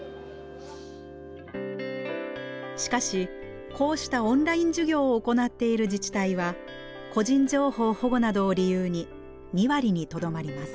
しかしこうしたオンライン授業を行っている自治体は個人情報保護などを理由に２割にとどまります。